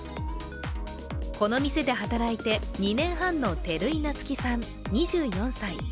この店で働いて２年半の照井菜月さん、２４歳。